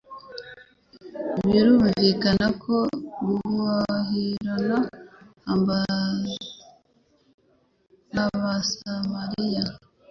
Birumvikana ko guhahirana n'Abasamaliya